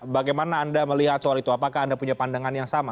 bagaimana anda melihat soal itu apakah anda punya pandangan yang sama